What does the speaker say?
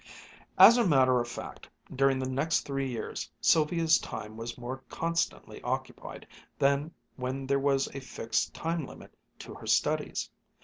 As a matter of fact, during the next three years Sylvia's time was more constantly occupied than when there was a fixed time limit to her studies.